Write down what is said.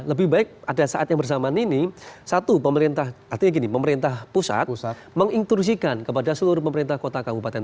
lebih baik ada saat yang bersamaan ini satu pemerintah artinya gini pemerintah pusat mengintrusikan kepada seluruh pemerintah kota kabupaten